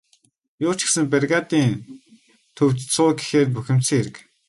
Юу ч гэсэн бригадын төвд суу гэхээр нь бухимдсан хэрэг.